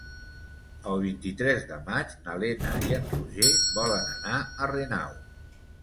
El vint-i-tres de maig na Lena i en Roger volen anar a Renau.